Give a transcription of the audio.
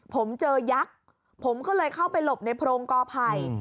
ผมเจอยักษ์ผมก็เลยเข้าไปหลบในโพรงกอไผ่